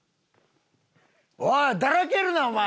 おいだらけるなお前！